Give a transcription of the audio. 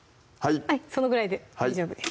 そのぐらいで大丈夫です